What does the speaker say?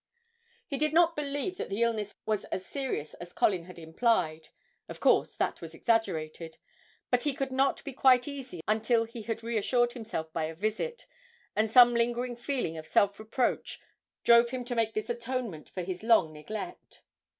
He did not believe that the illness was as serious as Colin had implied; of course that was exaggerated but he could not be quite easy until he had reassured himself by a visit, and some lingering feeling of self reproach drove him to make this atonement for his long neglect.